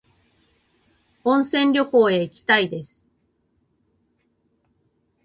温泉旅行へ行きたいです